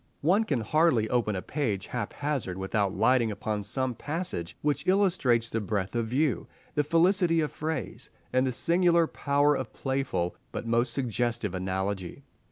One can hardly open a page haphazard without lighting upon some passage which illustrates the breadth of view, the felicity of phrase, and the singular power of playful but most suggestive analogy.